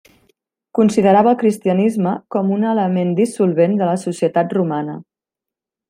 Considerava el cristianisme com a un element dissolvent de la societat romana.